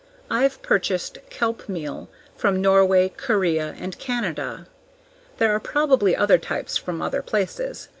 I've purchased kelp meal from Norway, Korea, and Canada. There are probably other types from other places.